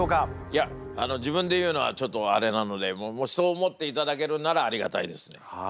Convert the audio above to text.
いや自分で言うのはちょっとあれなのでそう思っていただけるならありがたいですね。